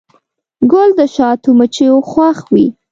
ګل د شاتو مچیو خوښ وي.